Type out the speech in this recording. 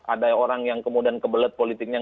ada orang yang kemudian kebelet politiknya